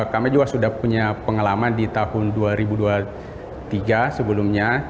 kami juga sudah punya pengalaman di tahun dua ribu dua puluh tiga sebelumnya